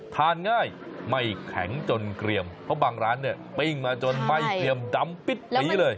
ทานง่ายไม่แข็งจนเกลี่ยมเพราะบางร้านเนี่ยปิ้งมาจนไม่เกลี่ยมดำปิดสีเลย